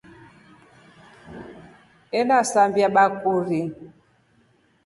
Enasambia bakuri.